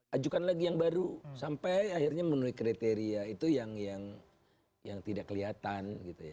ajukan lagi yang baru sampai akhirnya menuhi kriteria itu yang tidak kelihatan gitu ya